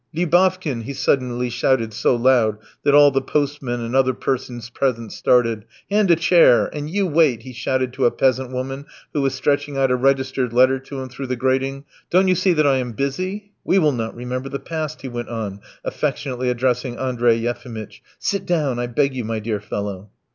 Lyubavkin," he suddenly shouted so loud that all the postmen and other persons present started, "hand a chair; and you wait," he shouted to a peasant woman who was stretching out a registered letter to him through the grating. "Don't you see that I am busy? We will not remember the past," he went on, affectionately addressing Andrey Yefimitch; "sit down, I beg you, my dear fellow."